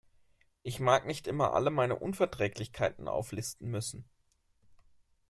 Ich mag nicht immer alle meine Unverträglichkeiten auflisten müssen.